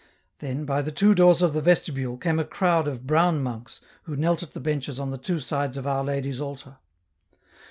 Then, by the two doors of the vestibule, came a crowd oi brown monks, who knelt at the benches on the two sides ot Our Lady's altar.